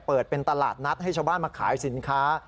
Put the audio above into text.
เปิดเป็นตลาดนัดให้ชาวบ้านมาขายสินค้า